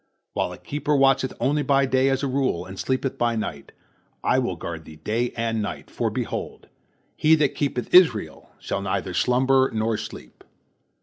While a keeper watcheth only by day as a rule, and sleepeth by night, I will guard thee day and night, for, behold, He that keepeth Israel shall neither slumber nor sleep.